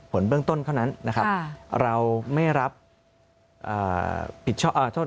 ผลเบื้องต้นเท่านั้นนะครับเราไม่รับผิดชอบโทษ